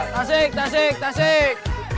tasik tasik tasik